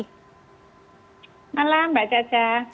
selamat malam mbak caca